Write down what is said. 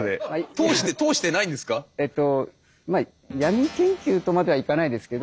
えっと闇研究とまではいかないですけど。